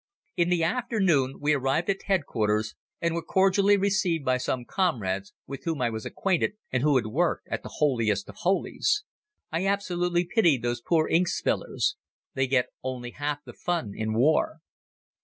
In the afternoon we arrived at Headquarters and were cordially received by some comrades with whom I was acquainted and who worked at the holiest of holies. I absolutely pitied those poor ink spillers. They get only half the fun in war.